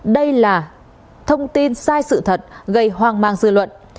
đây là thông tin sai sự thật gây hoang mang dư luận